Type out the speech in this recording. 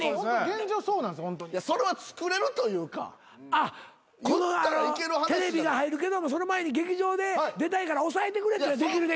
あっテレビが入るけどもその前に劇場で出たいから押さえてくれってできるできる。